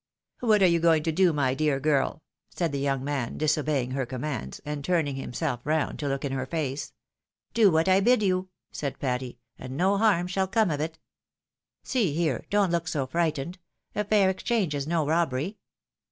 " What are you going to do, my dear girl ?" said the young man, disobeying her commands,' and turning himself round to look in her face. " Do what I bid you," said Patty, " and no harm shall come of it. See here — don't look so frightened !— a fair exchange is no robbery."